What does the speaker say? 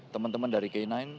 teman teman dari k sembilan